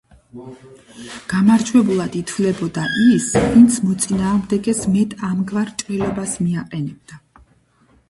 გამარჯვებულად ითვლებოდა ის, ვინც მოწინააღმდეგეს მეტ ამგვარ ჭრილობას მიაყენებდა.